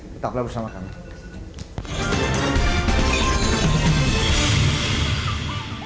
tepuk tangan bersama kami